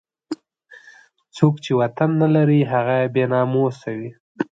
څوک چې وطن نه لري هغه بې ناموسه وي.